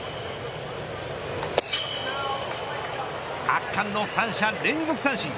圧巻の３者連続三振。